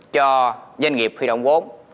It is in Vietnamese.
cho doanh nghiệp huy động vốn